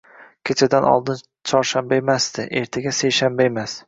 Kechadan oldin chorshanba emasdi, ertaga seshanba emas